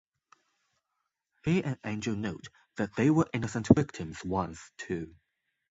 He and Angel note that they were innocent victims once, too.